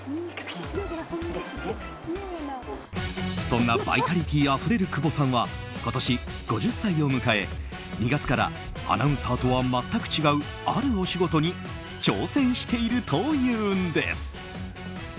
そんなバイタリティーあふれる久保さんは今年５０歳を迎え、２月からアナウンサーとは全く違うあるお仕事に挑戦しているというんです。